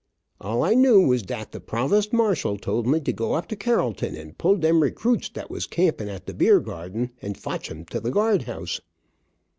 All I knew was dat the provost marshal told me to go up to Carrollton and pull dem recruits dat was camping at de beer garden, and fotch 'em to de guard house."